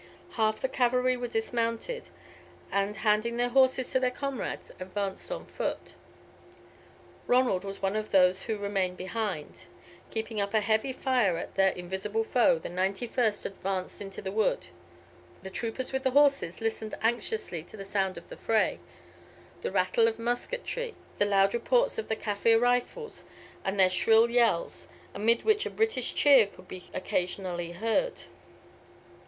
Half the cavalry were dismounted, and, handing their horses to their comrades, advanced on foot. Ronald was one of those who remained behind. Keeping up a heavy fire at their invisible foe, the 91st advanced into the wood. The troopers with the horses listened anxiously to the sound of the fray the rattle of musketry, the loud reports of the Kaffir rifles, and their shrill yells, amid which a British cheer could be occasionally heard.